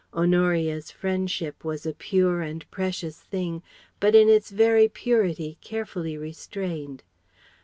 Honoria's friendship was a pure and precious thing, but in its very purity carefully restrained.